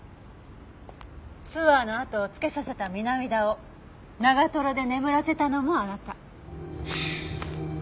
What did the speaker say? ツアーのあとをつけさせた南田を長で眠らせたのもあなた。